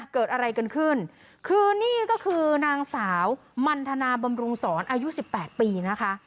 เกิดอะไรกันขึ้นคือนี่ก็คือนางสาวมันธนาบำรุงศรอายุสิบแปดปีนะคะ